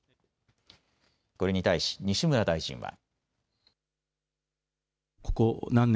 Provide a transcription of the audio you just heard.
これに対し西村大臣は。